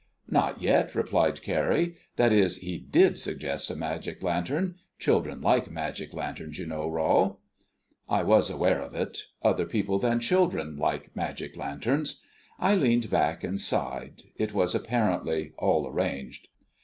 "Not yet," replied Carrie. "That is, he did suggest a magic lantern children like magic lanterns, you know, Rol." I was aware of it other people than children like magic lanterns. I leaned back and sighed; it was apparently all arranged.